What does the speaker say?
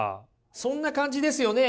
そんな感じですよね。